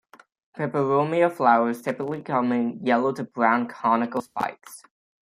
"Peperomia" flowers typically come in yellow to brown conical spikes.